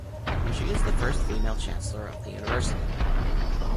She is the first female Chancellor of the university.